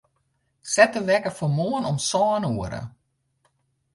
Set de wekker foar moarn om sân oere.